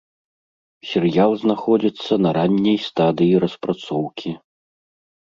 Серыял знаходзіцца на ранняй стадыі распрацоўкі.